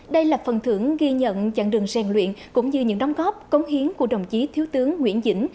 đây là phần thưởng ghi nhận chặng đường sen luyện cũng như những đóng góp công hiến của đồng chí thiếu tướng nguyễn dĩnh